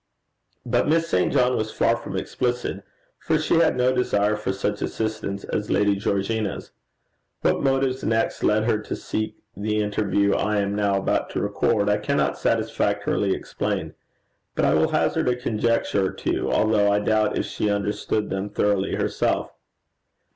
But Miss St. John was far from explicit, for she had no desire for such assistance as Lady Georgina's. What motives next led her to seek the interview I am now about to record, I cannot satisfactorily explain, but I will hazard a conjecture or two, although I doubt if she understood them thoroughly herself.